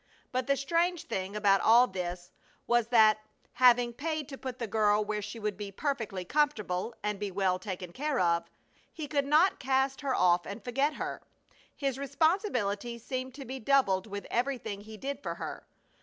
But the strange thing about all this was that, having paid to put the girl where she would be perfectly comfortable and be well taken care of, he could not cast her off and forget her. His responsibility seemed to be doubled with everything he did for her.